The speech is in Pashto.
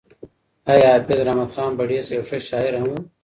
ایا حافظ رحمت خان بړیڅ یو ښه شاعر هم و؟